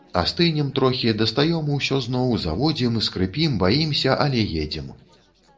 Астынем трохі, дастаём ўсё зноў, заводзім, скрыпім, баімся, але едзем.